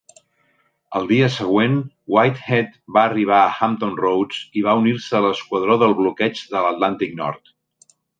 El dia següent, "Whitehead" va arribar a Hampton Roads i va unir-se a l'Esquadró del Bloqueig de l'Atlàntic Nord.